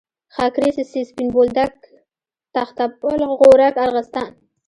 خاکریز، سپین بولدک، تخته پل، غورک، ارغستان.